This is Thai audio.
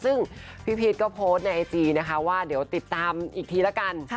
ซึ่งพี่พีชก็โพสต์ในไอจีนะคะว่าเดี๋ยวติดตามอีกทีละกัน